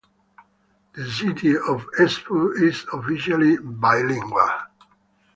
The city of Espoo is officially bilingual.